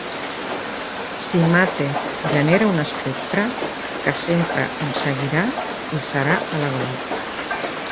Si mate, genere un espectre, que sempre em seguirà i serà a l'aguait.